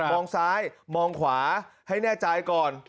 มองซ้ายมองขวาให้แน่ใจก่อน